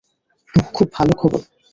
ওহ, খুব ভালো খবর।